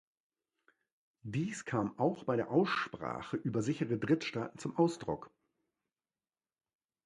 Dies kam auch bei der Aussprache über sichere Drittstaaten zum Ausdruck.